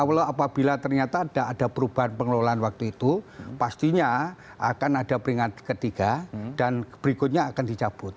walau apabila ternyata ada perubahan pengelolaan waktu itu pastinya akan ada peringatan ketiga dan berikutnya akan dicabut